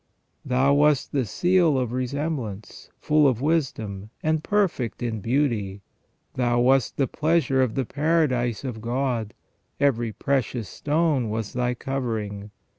" Thou wast the seal of resemblance, full of wisdom, and perfect in beauty. Thou wast the pleasure of the paradise of God : every precious stone was thy covering.